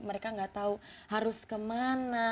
mereka nggak tahu harus kemana